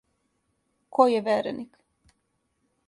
Ко је вереник?